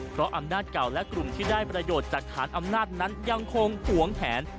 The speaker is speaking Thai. เพราะอำนาจเก่าและกลุ่มที่ได้ประโยชน์จากฐานอำนาจนั้นยังคงหวงแหน